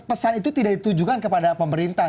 pesan itu tidak ditujukan kepada pemerintah